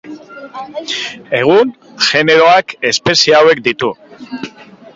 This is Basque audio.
Egun, generoak espezie hauek ditu.